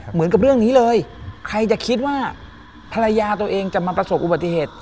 เหมือนกับเรื่องนี้เลยใครจะคิดว่าภรรยาตัวเองจะมาประสบอุบัติเหตุ